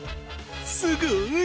すごい！